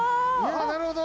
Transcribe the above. なるほど。